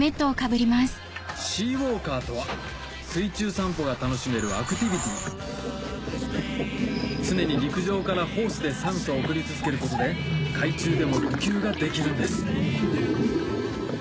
シーウォーカーとは水中散歩が楽しめるアクティビティ常に陸上からホースで酸素を送り続けることで海中でも呼吸ができるんです